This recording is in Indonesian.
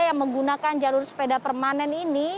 yang menggunakan jalur sepeda permanen ini